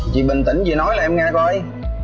chị bình tĩnh chị nói lại em nghe coi